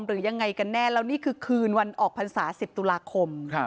หรือยังไงกันแน่แล้วนี่คือคืนวันออกพรรษา๑๐ตุลาคม